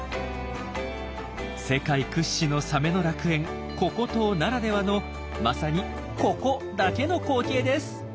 世界屈指のサメの楽園ココ島ならではのまさにココだけの光景です。